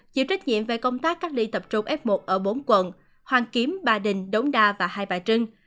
chịu trách nhiệm về công tác cách ly tập trung f một ở bốn quận hoàn kiếm ba đình đống đa và hai bà trưng